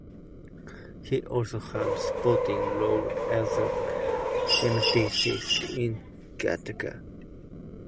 He also had a supporting role as a geneticist in "Gattaca".